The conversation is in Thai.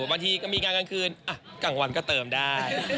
บางทีก็มีงานกลางคืนกลางวันก็เติมได้